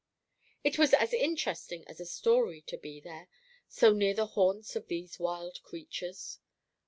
It was as interesting as a story to be there, so near the haunts of these wild creatures.